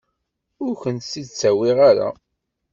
Ur kent-id-ttawiɣ ara.